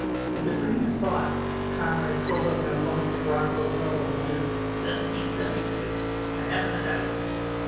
As if reading his thoughts, a comrade curled up in a bunk at Rockwell's elbow muttered, "Seventeen seventy six, I haven't a doubt of it!"